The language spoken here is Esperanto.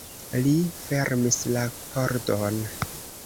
Li fermis la pordon.